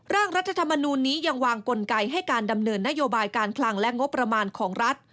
รัฐธรรมนูลนี้ยังวางกลไกให้การดำเนินนโยบายการคลังและงบประมาณของรัฐ